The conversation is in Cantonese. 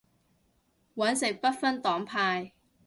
搵食不分黨派